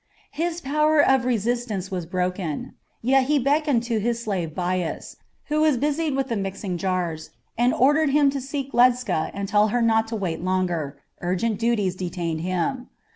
His power of resistance was broken; yet he beckoned to his slave Bias, who was busied with the mixing jars, and ordered him to seek Ledscha and tell her not to wait longer; urgent duties detained him.